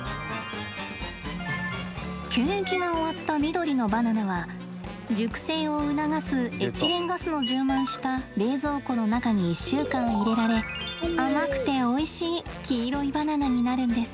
検疫が終わった緑のバナナは熟成を促すエチレンガスの充満した冷蔵庫の中に１週間入れられ甘くておいしい黄色いバナナになるんです。